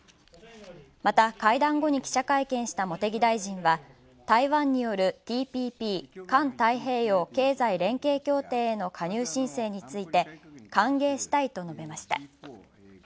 また、会談後に記者会見した茂木大臣は台湾によるＴＰＰ＝環太平洋経済連携協定への加入申請について「歓迎したい」と述べました。